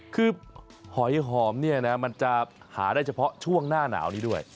คือหอยหอมเนี่ยนะมันจะหาได้เฉพาะช่วงหน้าหนาวนี้ด้วย